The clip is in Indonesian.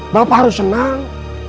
bapak harus senang